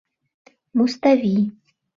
Муставий.